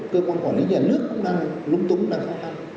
cơ quan quản lý nhà nước cũng đang lúng túng đang khó khăn